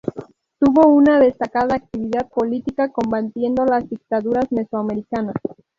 Tuvo una destacada actividad política combatiendo las dictaduras mesoamericanas.